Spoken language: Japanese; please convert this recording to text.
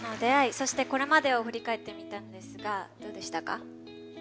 そして、これまでを振り返ってみたんですがどうでしたか？